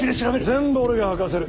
全部俺が吐かせる。